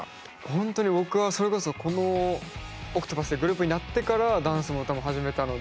ほんとに僕はそれこそこのＯＣＴＰＡＴＨっていうグループになってからダンスも歌も始めたので。